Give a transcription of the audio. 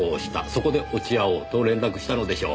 そこで落ち合おうと連絡したのでしょう。